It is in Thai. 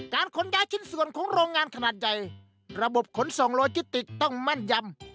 ขนย้ายชิ้นส่วนของโรงงานขนาดใหญ่ระบบขนส่งโลจิติกต้องแม่นยำ